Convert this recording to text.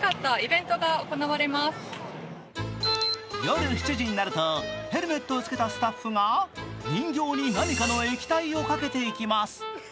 夜７時になると、ヘルメットをつけたスタッフが人形に何かの液体をかけていきます。